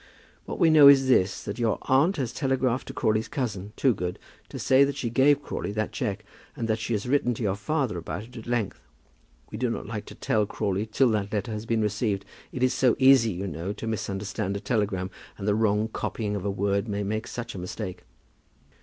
What we know is this, that your aunt has telegraphed to Crawley's cousin, Toogood, to say that she gave Crawley that cheque, and that she has written to your father about it at length. We do not like to tell Crawley till that letter has been received. It is so easy, you know, to misunderstand a telegram, and the wrong copying of a word may make such a mistake!"